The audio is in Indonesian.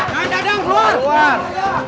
kang gadang keluar